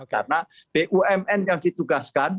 karena bumn yang ditugaskan